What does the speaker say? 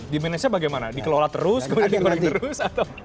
di manage nya bagaimana dikelola terus kemudian digoreng terus